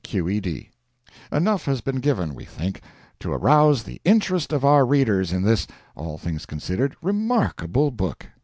Q.E.D. Enough has been given, we think, to arouse the interest of our readers in this, all things considered, remarkable book.